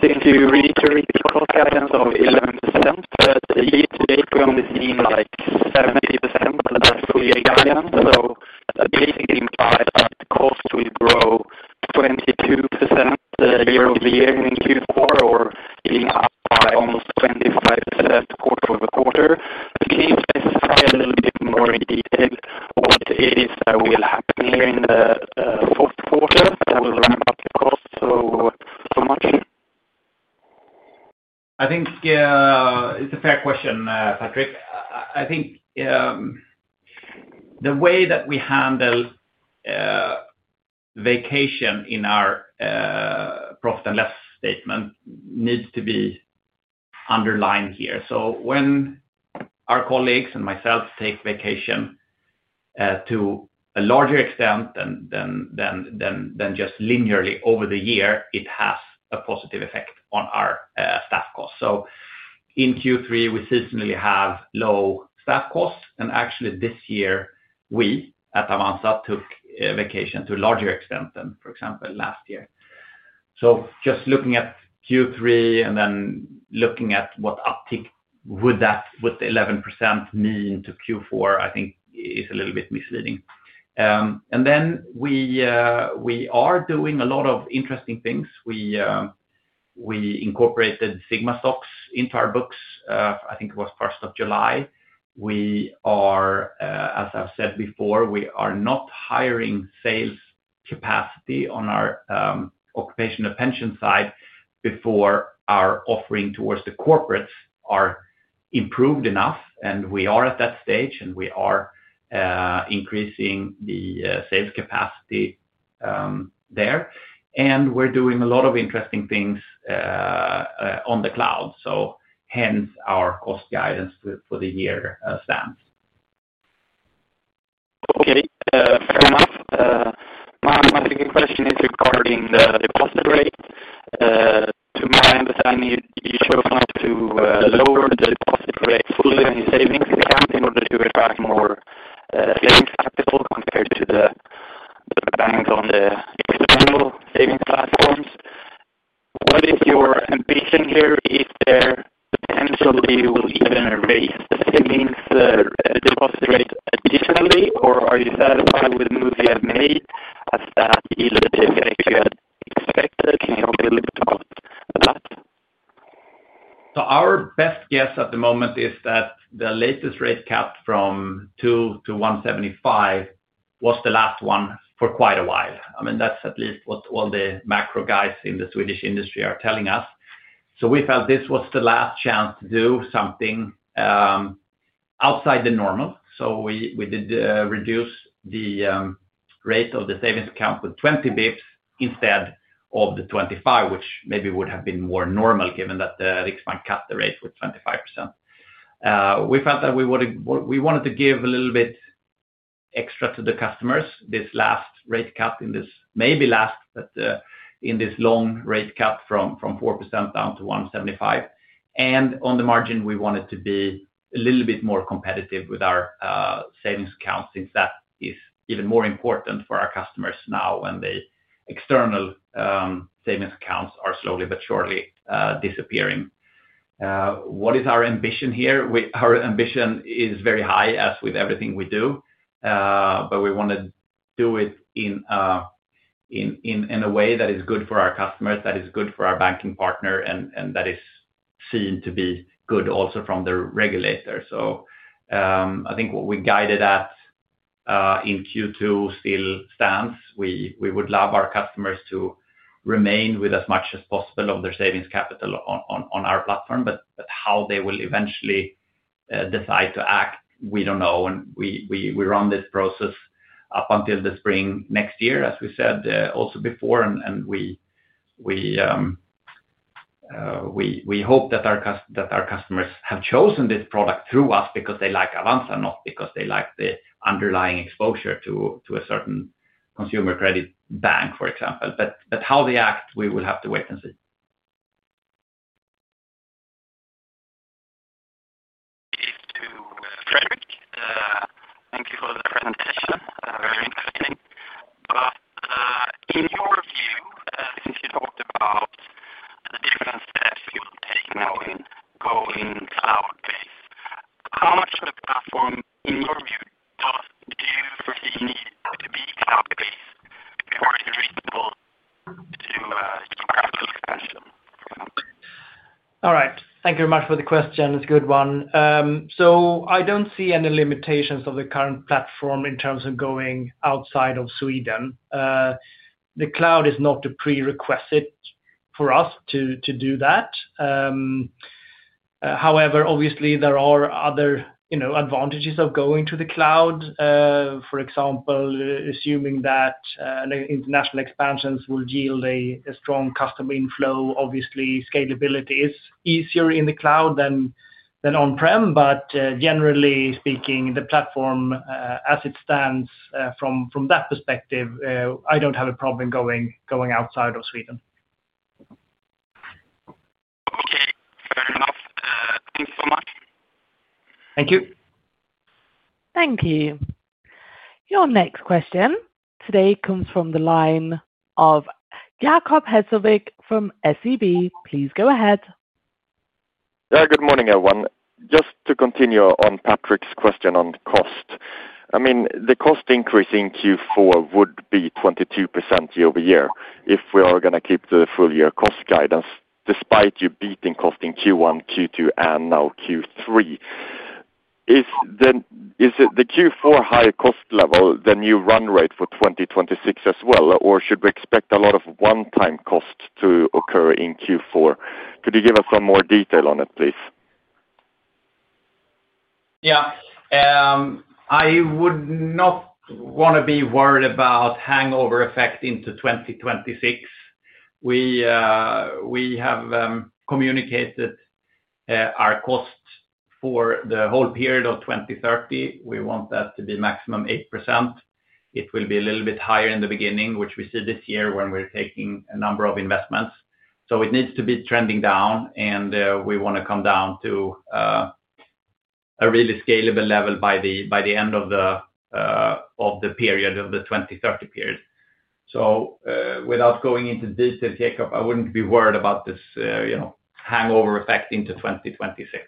I think you need to read the cost guidance of 11%, but yet they only seem like 70% of the last two-year guidance. Do you think it implies that costs will grow 22% year-over-year in Q4 or even up by almost 25% quarter-over-quarter? Can you specify a little bit more in detail what it is that will happen here in the fourth quarter that will ramp up the costs so much? I think it's a fair question, Patrick. I think the way that we handle vacation in our profit and loss statement needs to be underlined here. When our colleagues and myself take vacation to a larger extent than just linearly over the year, it has a positive effect on our staff costs. In Q3, we seasonally have low staff costs, and actually this year we at Avanza took vacation to a larger extent than, for example, last year. Just looking at Q3 and then looking at what uptick would that with 11% mean to Q4, I think is a little bit misleading. We are doing a lot of interesting things. We incorporated Sigma Stocks into our books. I think it was July 1. As I've said before, we are not hiring sales capacity on our occupational pension side before our offering towards the corporates are improved enough, and we are at that stage, and we are increasing the sales capacity there. We are doing a lot of interesting things on the cloud. Hence our cost guidance for the year stands. Okay. Fair enough. My bigger question is regarding the deposit rate. To my understanding, you chose not to lower the deposit rate fully on your savings account in order to attract more savings capital compared to the banks on the external savings platforms. What is your ambition here? Is there potentially you will even raise the savings deposit rate additionally, or are you satisfied with the moves you have made as that either didn't take you as expected? Can you tell me a little bit about that? Our best guess at the moment is that the latest rate cut from 2% to 1.75% was the last one for quite a while. I mean, that's at least what all the macro guys in the Swedish industry are telling us. We felt this was the last chance to do something outside the normal. We did reduce the rate of the savings account by 20 bps instead of the 25 bps, which maybe would have been more normal given that the Riksbank cut the rate by 25%. We felt that we wanted to give a little bit extra to the customers this last rate cut in this maybe last, but in this long rate cut from 4% down to 1.75%. On the margin, we wanted to be a little bit more competitive with our savings accounts since that is even more important for our customers now when the external savings accounts are slowly but surely disappearing. What is our ambition here? Our ambition is very high, as with everything we do, but we want to do it in a way that is good for our customers, that is good for our banking partner, and that is seen to be good also from the regulator. I think what we guided at in Q2 still stands. We would love our customers to remain with as much as possible of their savings capital on our platform, but how they will eventually decide to act, we don't know. We run this process up until the spring next year, as we said also before. We hope that our customers have chosen this product through us because they like Avanza and not because they like the underlying exposure to a certain consumer credit bank, for example. How they act, we will have to wait and see. To Fredrik, thank you for the presentation. Very interesting. In your view, since you talked about the different steps you'll take now in going cloud-based, how much of the platform, in your view, do you foresee needing to be cloud-based before it's reasonable to do a geographical expansion, for example? All right. Thank you very much for the question. It's a good one. I don't see any limitations of the current platform in terms of going outside of Sweden. The cloud is not a prerequisite for us to do that. However, obviously, there are other advantages of going to the cloud. For example, assuming that international expansions will yield a strong customer inflow, scalability is easier in the cloud than on-prem. Generally speaking, the platform, as it stands from that perspective, I don't have a problem going outside of Sweden. Okay. Fair enough. Thanks so much. Thank you. Thank you. Your next question today comes from the line of Jakob Hesselblad from SEB. Please go ahead. Good morning, everyone. Just to continue on Patrick's question on cost. The cost increase in Q4 would be 22% year-over-year if we are going to keep the full-year cost guidance despite you beating cost in Q1, Q2, and now Q3. Is the Q4 higher cost level the new run rate for 2026 as well, or should we expect a lot of one-time cost to occur in Q4? Could you give us some more detail on it, please? Yeah. I would not want to be worried about hangover effect into 2026. We have communicated our cost for the whole period of 2030. We want that to be maximum 8%. It will be a little bit higher in the beginning, which we see this year when we're taking a number of investments. It needs to be trending down, and we want to come down to a really scalable level by the end of the 2030 period. Without going into detail, Jakob, I wouldn't be worried about this hangover effect into 2026.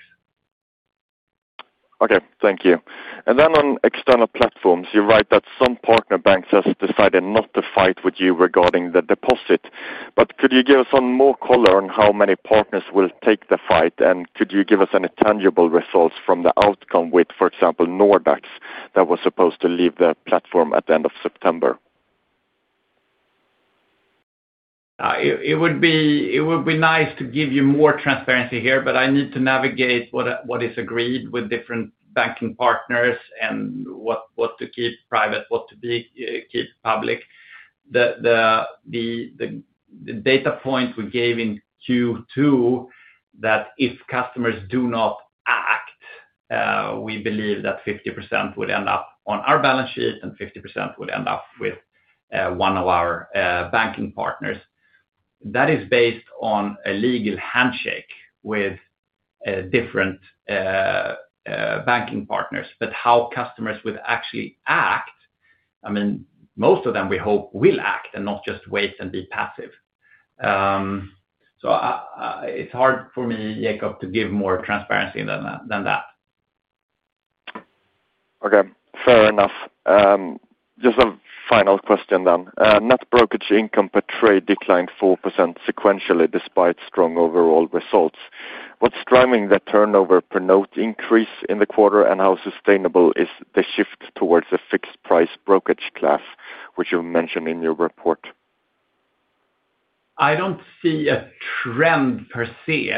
Okay. Thank you. On external platforms, you write that some partner banks have decided not to fight with you regarding the deposit. Could you give us some more color on how many partners will take the fight, and could you give us any tangible results from the outcome with, for example, Nordex that was supposed to leave the platform at the end of September? It would be nice to give you more transparency here, but I need to navigate what is agreed with different banking partners and what to keep private, what to keep public. The data point we gave in Q2 is that if customers do not act, we believe that 50% will end up on our balance sheet and 50% will end up with one of our banking partners. That is based on a legal handshake with different banking partners. How customers would actually act, I mean, most of them we hope will act and not just wait and be passive. It's hard for me, Jakob, to give more transparency than that. Okay. Fair enough. Just a final question then. Net brokerage income per trade declined 4% sequentially despite strong overall results. What's driving the turnover per note increase in the quarter, and how sustainable is the shift towards a fixed-price brokerage class, which you mentioned in your report? I don't see a trend per se.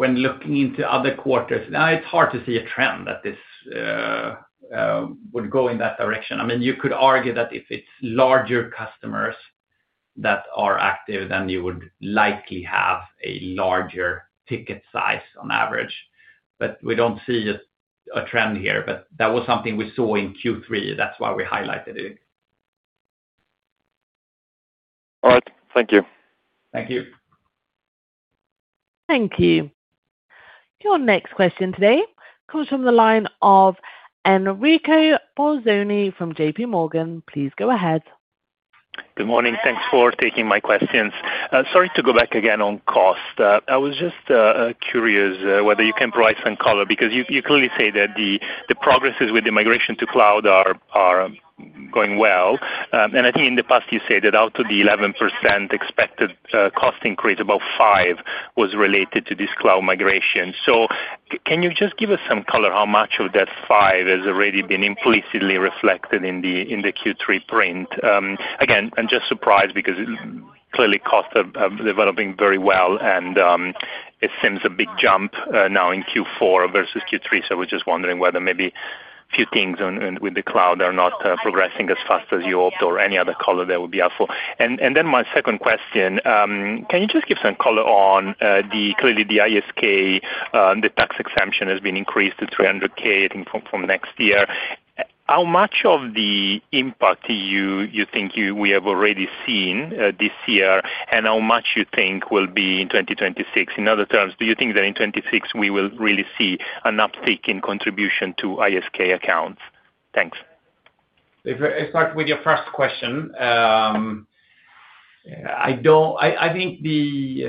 When looking into other quarters, it's hard to see a trend that this would go in that direction. I mean, you could argue that if it's larger customers that are active, then you would likely have a larger ticket size on average. We don't see a trend here. That was something we saw in Q3, which is why we highlighted it. All right. Thank you. Thank you. Thank you. Your next question today comes from the line of Enrico Bolzoni from JP Morgan. Please go ahead. Good morning. Thanks for taking my questions. Sorry to go back again on cost. I was just curious whether you can provide some color because you clearly say that the progresses with the migration to cloud are going well. I think in the past, you said that out of the 11% expected cost increase, about 5% was related to this cloud migration. Can you just give us some color how much of that 5% has already been implicitly reflected in the Q3 print? I'm just surprised because clearly costs are developing very well, and it seems a big jump now in Q4 versus Q3. I was just wondering whether maybe a few things with the cloud are not progressing as fast as you hoped or any other color that would be helpful. My second question, can you just give some color on clearly the ISK, the tax exemption has been increased to 300,000 SEK, I think, from next year. How much of the impact you think we have already seen this year and how much you think will be in 2026? In other terms, do you think that in 2026 we will really see an uptick in contribution to ISK accounts? Thanks. If I start with your first question, I think we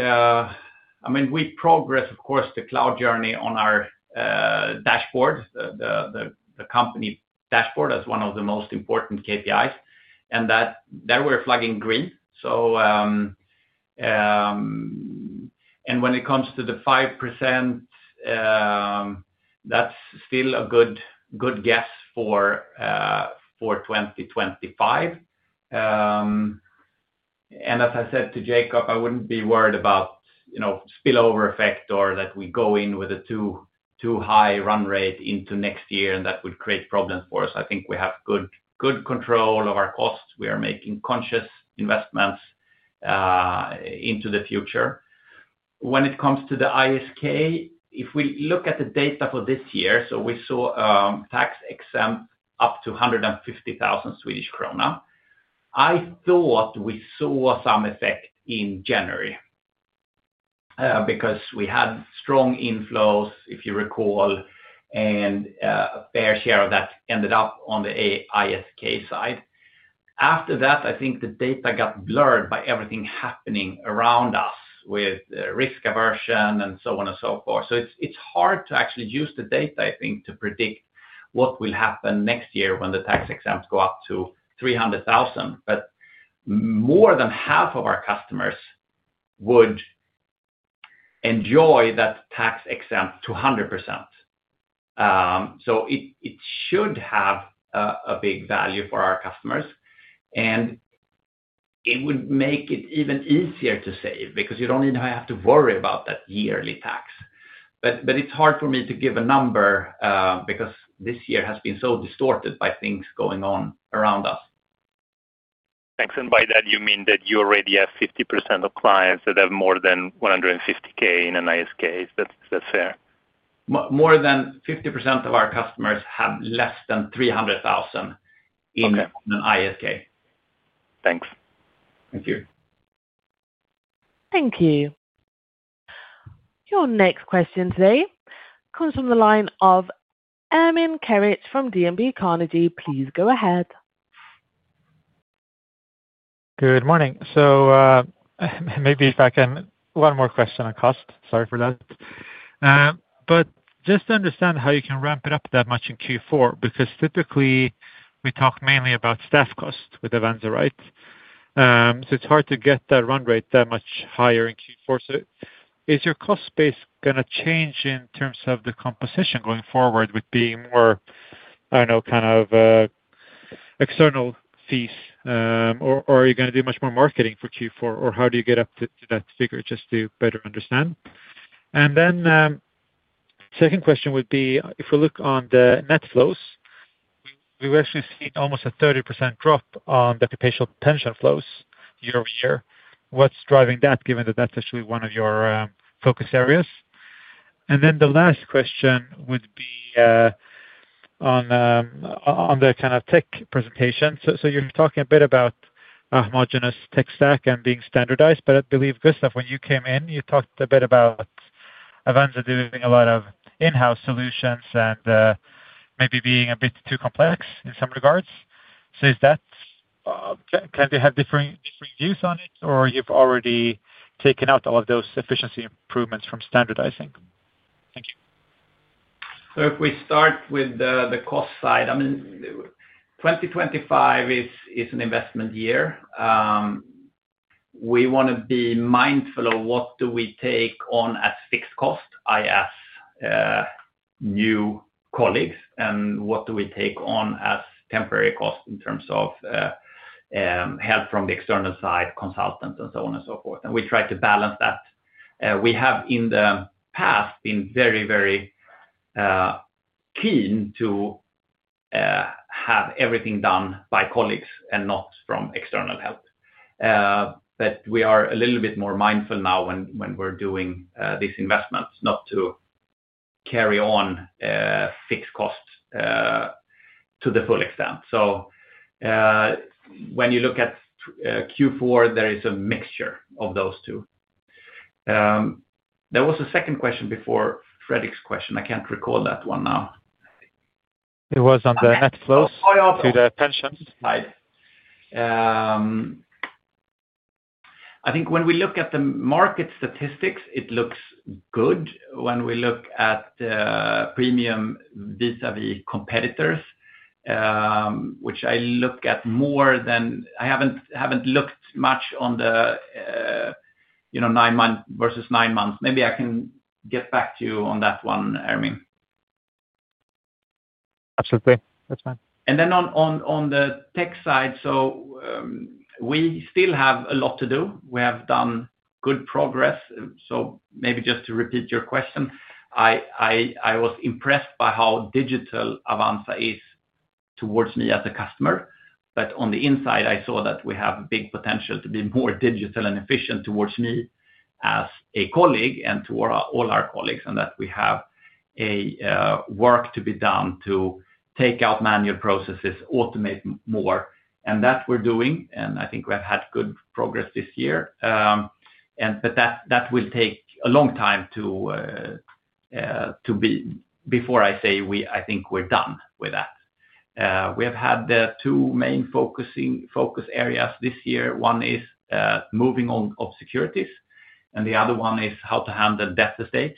progress, of course, the cloud journey on our dashboard, the company dashboard as one of the most important KPIs, and that we're flagging green. When it comes to the 5%, that's still a good guess for 2025. As I said to Jakob, I wouldn't be worried about spillover effect or that we go in with a too high run rate into next year and that would create problems for us. I think we have good control of our costs. We are making conscious investments into the future. When it comes to the ISK, if we look at the data for this year, we saw tax exempt up to 150,000 Swedish krona. I thought we saw some effect in January because we had strong inflows, if you recall, and a fair share of that ended up on the ISK side. After that, I think the data got blurred by everything happening around us with risk aversion and so on and so forth. It's hard to actually use the data, I think, to predict what will happen next year when the tax exempts go up to 300,000. More than half of our customers would enjoy that tax exempt to 100%. It should have a big value for our customers, and it would make it even easier to save because you don't even have to worry about that yearly tax. It's hard for me to give a number because this year has been so distorted by things going on around us. Thanks. By that, you mean that you already have 50% of clients that have more than 150,000 in an ISK. Is that fair? More than 50% of our customers have less than 300,000 in an ISK. Thanks. Thank you. Thank you. Your next question today comes from the line of Ermin Keric from DNB Carnegie. Please go ahead. Good morning. Maybe if I can, one more question on cost. Sorry for that, but just to understand how you can ramp it up that much in Q4 because typically we talk mainly about staff cost with Avanza, right? It's hard to get that run rate that much higher in Q4. Is your cost base going to change in terms of the composition going forward with being more, I don't know, kind of external fees? Are you going to do much more marketing for Q4? How do you get up to that figure just to better understand? The second question would be if we look on the net flows, we've actually seen almost a 30% drop on the occupational pension flows year-over-year. What's driving that given that that's actually one of your focus areas? The last question would be on the kind of tech presentation. You're talking a bit about a homogeneous tech stack and being standardized. I believe, Gustaf, when you came in, you talked a bit about Avanza doing a lot of in-house solutions and maybe being a bit too complex in some regards. Can you have different views on it, or you've already taken out all of those efficiency improvements from standardizing? Thank you. If we start with the cost side, I mean, 2025 is an investment year. We want to be mindful of what do we take on as fixed cost, i.e., new colleagues, and what do we take on as temporary cost in terms of help from the external side, consultants, and so on and so forth. We try to balance that. We have in the past been very, very keen to have everything done by colleagues and not from external help. We are a little bit more mindful now when we're doing these investments not to carry on fixed costs to the full extent. When you look at Q4, there is a mixture of those two. There was a second question before Fredrik's question. I can't recall that one now. It was on the net inflows to the pensions. I think when we look at the market statistics, it looks good. When we look at the premium vis-à-vis competitors, which I look at more than I haven't looked much on the nine months versus nine months. Maybe I can get back to you on that one, Ermin. Absolutely. That's fine. On the tech side, we still have a lot to do. We have made good progress. To repeat your question, I was impressed by how digital Avanza is towards me as a customer. On the inside, I saw that we have big potential to be more digital and efficient towards me as a colleague and toward all our colleagues, and that we have work to be done to take out manual processes and automate more. That is what we're doing, and I think we have had good progress this year. That will take a long time before I say I think we're done with that. We have had the two main focus areas this year. One is moving on of securities, and the other one is how to handle death estates.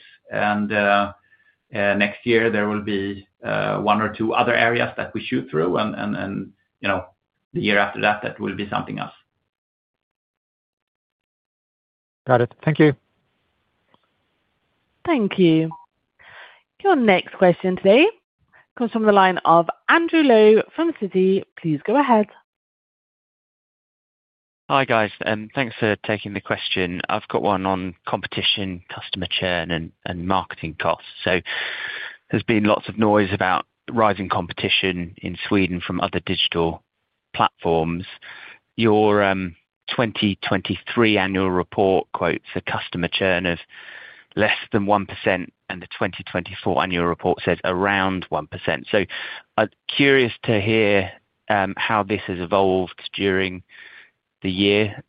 Next year, there will be one or two other areas that we go through. The year after that, that will be something else. Got it. Thank you. Thank you. Your next question today comes from the line of Andrew Lowe from Citi. Please go ahead. Hi, guys, and thanks for taking the question. I've got one on competition, customer churn, and marketing costs. There's been lots of noise about rising competition in Sweden from other digital platforms. Your 2023 annual report quotes the customer churn of less than 1%, and the 2024 annual report says around 1%. I'm curious to hear how this has evolved during the year.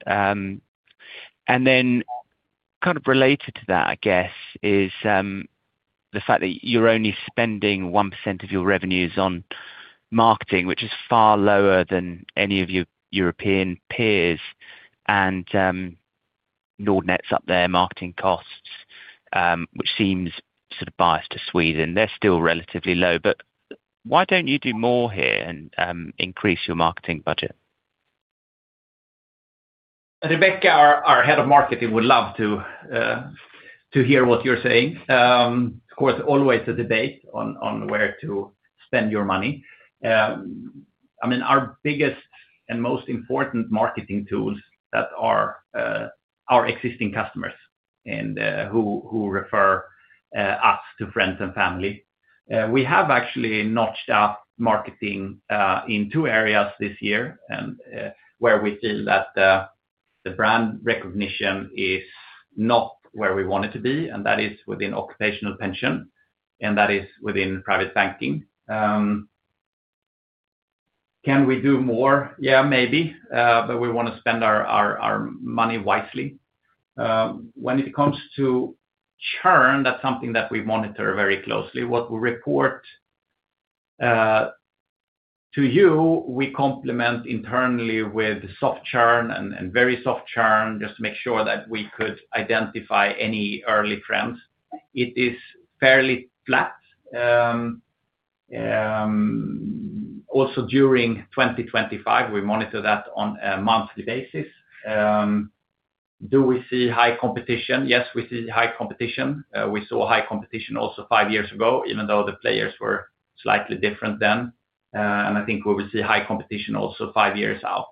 Related to that, I guess, is the fact that you're only spending 1% of your revenues on marketing, which is far lower than any of your European peers. Nordnet's up their marketing costs, which seems sort of biased to Sweden. They're still relatively low. Why don't you do more here and increase your marketing budget? Rebecca, our Head of Marketing, would love to hear what you're saying. Of course, always a debate on where to spend your money. I mean, our biggest and most important marketing tools are our existing customers who refer us to friends and family. We have actually notched up marketing in two areas this year where we feel that the brand recognition is not where we want it to be, and that is within occupational pension and that is within Private Banking. Can we do more? Yeah, maybe, but we want to spend our money wisely. When it comes to churn, that's something that we monitor very closely. What we report to you, we complement internally with soft churn and very soft churn just to make sure that we could identify any early trends. It is fairly flat. Also, during 2025, we monitor that on a monthly basis. Do we see high competition? Yes, we see high competition. We saw high competition also five years ago, even though the players were slightly different then. I think we will see high competition also five years out.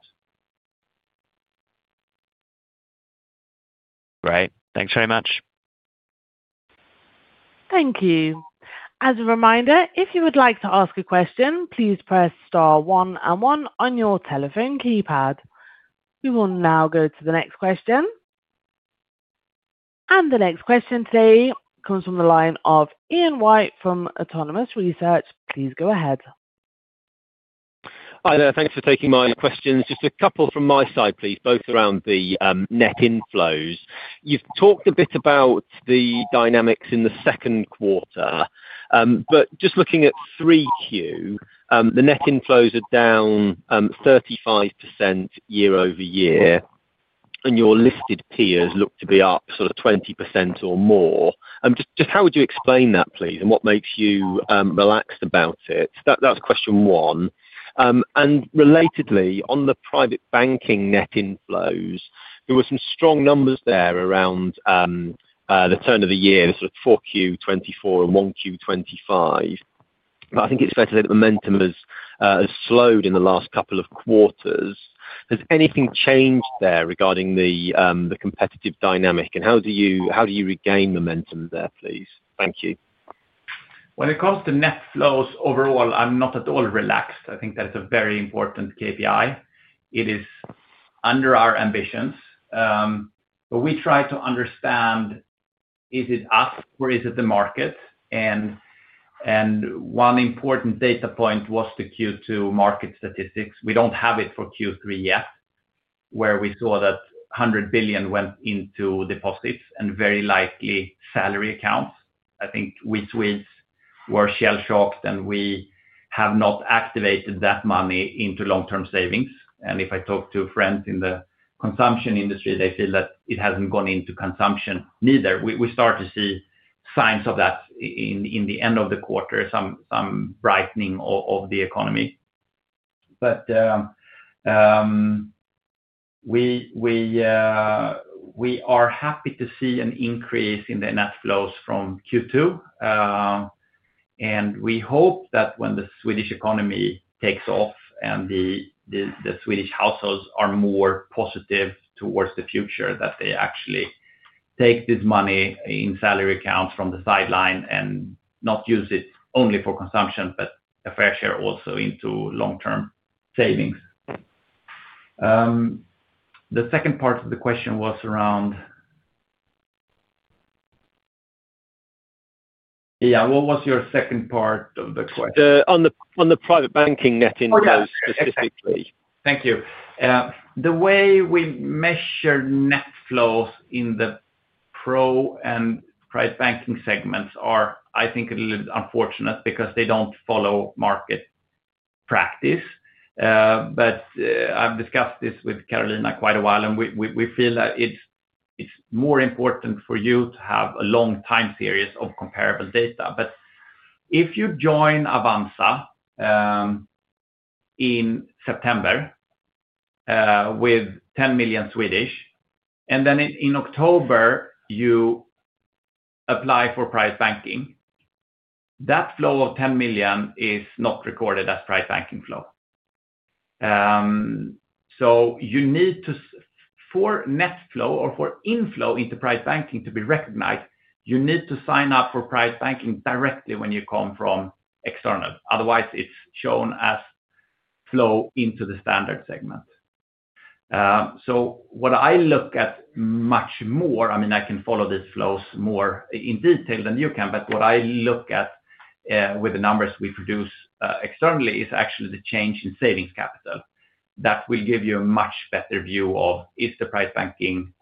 Great. Thanks very much. Thank you. As a reminder, if you would like to ask a question, please press star one and one on your telephone keypad. We will now go to the next question. The next question today comes from the line of Ian White from Autonomous Research. Please go ahead. Hi there. Thanks for taking my questions. Just a couple from my side, please, both around the net inflows. You've talked a bit about the dynamics in the second quarter. Just looking at 3Q, the net inflows are down 35% year-over-year, and your listed peers look to be up sort of 20% or more. How would you explain that, please, and what makes you relaxed about it? That's question one. Relatedly, on the Private Banking net inflows, there were some strong numbers there around the turn of the year, the sort of 4Q 2024 and 1Q 2025. I think it's fair to say that momentum has slowed in the last couple of quarters. Has anything changed there regarding the competitive dynamic, and how do you regain momentum there, please? Thank you. When it comes to net flows overall, I'm not at all relaxed. I think that is a very important KPI. It is under our ambitions. We try to understand, is it us or is it the market? One important data point was the Q2 market statistics. We don't have it for Q3 yet, where we saw that 100 billion went into deposits and very likely salary accounts. I think we Swedes were shell-shocked, and we have not activated that money into long-term savings. If I talk to friends in the consumption industry, they feel that it hasn't gone into consumption either. We start to see signs of that in the end of the quarter, some brightening of the economy. We are happy to see an increase in the net flows from Q2. We hope that when the Swedish economy takes off and the Swedish households are more positive towards the future, that they actually take this money in salary accounts from the sideline and not use it only for consumption, but a fair share also into long-term savings. The second part of the question was around, yeah, what was your second part of the question? On the Private Banking net inflows specifically. Thank you. The way we measure net flows in the Pro and Private Banking segments is, I think, a little unfortunate because they don't follow market practice. I've discussed this with Karolina quite a while, and we feel that it's more important for you to have a long time series of comparable data. If you join Avanza in September with 10 million, and then in October, you apply for Private Banking, that flow of 10 million is not recorded as Private Banking flow. For net flow or for inflow into Private Banking to be recognized, you need to sign up for Private Banking directly when you come from external. Otherwise, it's shown as flow into the standard segment. What I look at much more, I mean, I can follow these flows more in detail than you can, but what I look at with the numbers we produce externally is actually the change in savings capital. That will give you a much better view of whether the Private Banking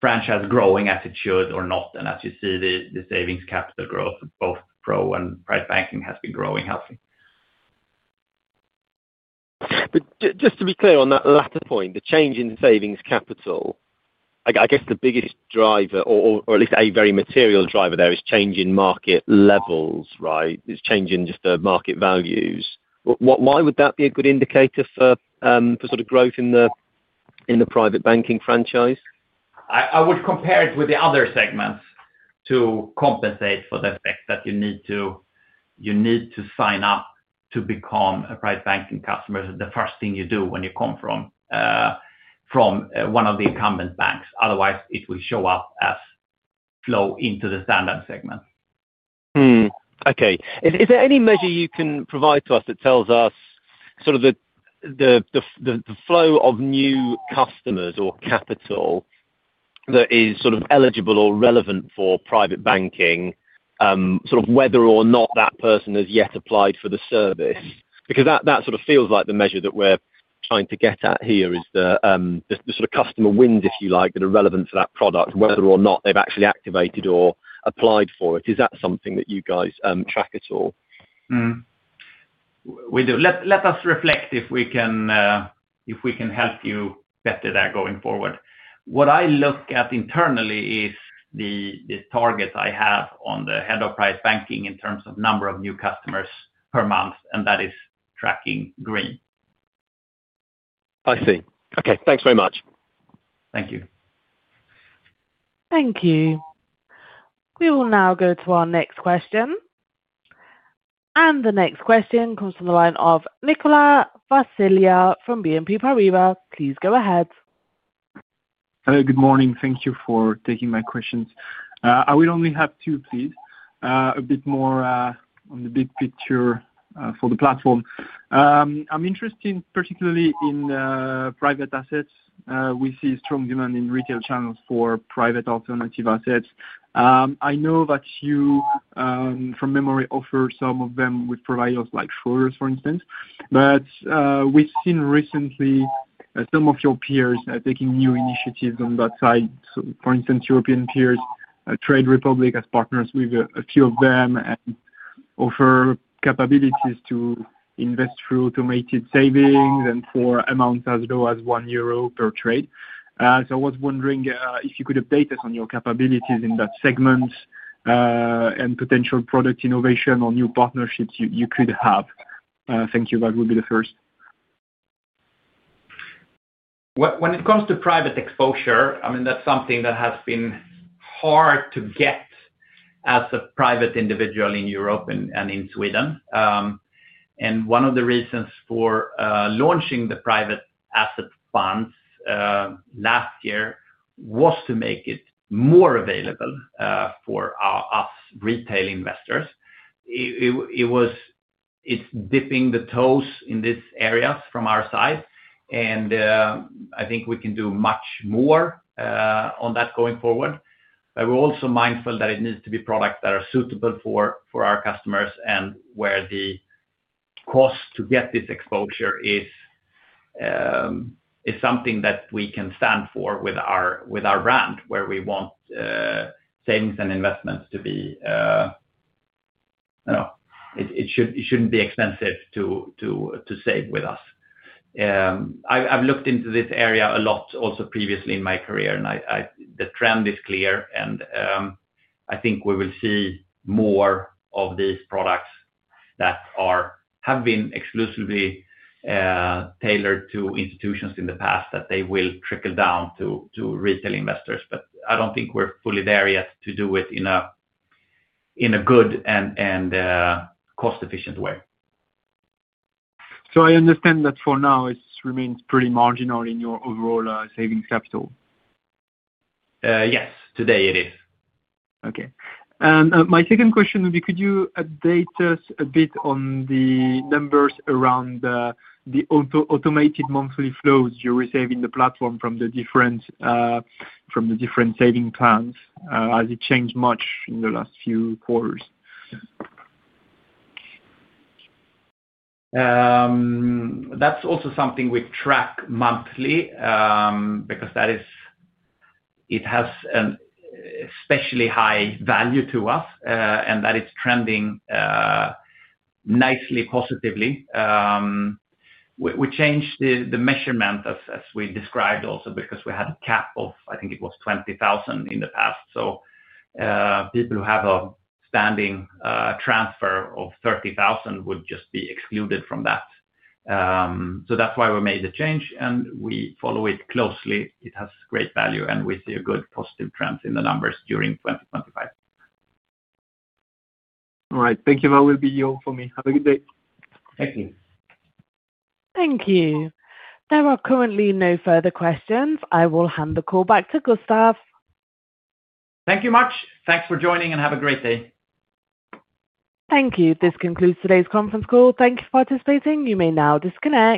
franchise is growing as it should or not. As you see, the savings capital growth of both Pro and Private Banking has been growing healthily. Just to be clear on that latter point, the change in savings capital, I guess the biggest driver, or at least a very material driver there, is change in market levels, right? It's change in just the market values. Why would that be a good indicator for sort of growth in the Private Banking franchise? I would compare it with the other segments to compensate for the fact that you need to sign up to become a Private Banking customer. The first thing you do when you come from one of the incumbent banks, otherwise, it will show up as flow into the standard segment. Okay. Is there any measure you can provide to us that tells us the flow of new customers or capital that is eligible or relevant for Private Banking, whether or not that person has yet applied for the service? That feels like the measure that we're trying to get at here, the customer wins, if you like, that are relevant to that product, whether or not they've actually activated or applied for it. Is that something that you guys track at all? Let us reflect if we can help you better there going forward. What I look at internally is the target I have on the Head of Private Banking in terms of number of new customers per month. That is tracking green. I see. Okay, thanks very much. Thank you. Thank you. We will now go to our next question. The next question comes from the line of Nicola Siviglia from BNP Paribas. Please go ahead. Hello, good morning. Thank you for taking my questions. I will only have two, please. A bit more on the big picture for the platform. I'm interested particularly in private assets. We see a strong demand in retail channels for private alternative assets. I know that you, from memory, offer some of them with providers like Schroders, for instance. We've seen recently some of your peers taking new initiatives on that side. For instance, European peers, Trade Republic has partnered with a few of them and offer capabilities to invest through automated savings and for amounts as low as 1 euro per trade. I was wondering if you could update us on your capabilities in that segment and potential product innovation or new partnerships you could have. Thank you. That would be the first. When it comes to private exposure, I mean, that's something that has been hard to get as a private individual in Europe and in Sweden. One of the reasons for launching the private asset funds last year was to make it more available for us retail investors. It was dipping the toes in this area from our side. I think we can do much more on that going forward. We're also mindful that it needs to be products that are suitable for our customers and where the cost to get this exposure is something that we can stand for with our brand, where we want savings and investments to be... It shouldn't be expensive to save with us. I've looked into this area a lot also previously in my career, and the trend is clear. I think we will see more of these products that have been exclusively tailored to institutions in the past, that they will trickle down to retail investors. I don't think we're fully there yet to do it in a good and cost-efficient way. I understand that for now, it remains pretty marginal in your overall savings capital. Yes, today it is. Okay. My second question would be, could you update us a bit on the numbers around the automated monthly flows you receive in the platform from the different saving plans? Has it changed much in the last few quarters? That's also something we track monthly because it has an especially high value to us and that it's trending nicely positively. We changed the measurement, as we described also, because we had a cap of 20,000 in the past. People who have a standing transfer of 30,000 would just be excluded from that. That's why we made the change, and we follow it closely. It has great value, and we see a good positive trend in the numbers during 2025. All right. Thank you. That will be all for me. Have a good day. Thank you. Thank you. There are currently no further questions. I will hand the call back to Gustaf. Thank you so much. Thanks for joining, and have a great day. Thank you. This concludes today's conference call. Thank you for participating. You may now disconnect.